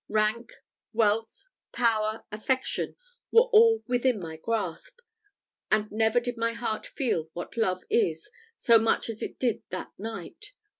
Rank, wealth, power, affection, were all within my grasp; and never did my heart feel what love is, so much as it did that night.